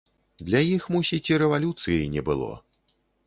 Для іх, мусіць, і рэвалюцыі не было.